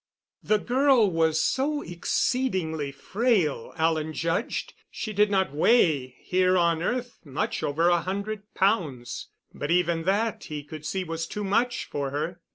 The girl was so exceedingly frail Alan judged she did not weigh, here on earth, much over a hundred pounds. But even that he could see was too much for her.